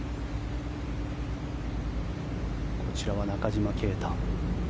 こちらは中島啓太。